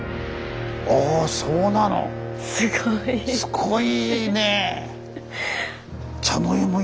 すごいねえ！